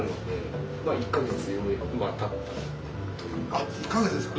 あっ１か月ですか。